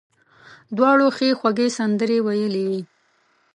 دواړو ښې خوږې سندرې ویلې وې.